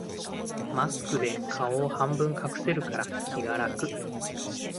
マスクで顔を半分隠せるから気が楽